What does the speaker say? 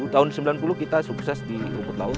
tahun sembilan puluh kita sukses di rumput laut